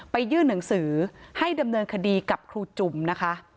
ยื่นหนังสือให้ดำเนินคดีกับครูจุ่มนะคะ